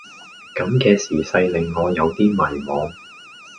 咁嘅時勢令我有啲迷惘